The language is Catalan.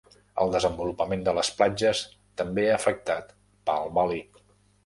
El desenvolupament de les platges també ha afectat Palm Valley.